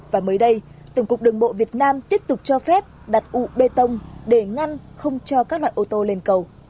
và mới đây tổng cục đường bộ việt nam tiếp tục cho phép đặt ụ bê tông để ngăn không cho các loại ô tô lên cầu